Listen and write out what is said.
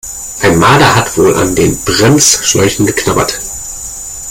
Ein Marder hat wohl an den Bremsschläuchen geknabbert.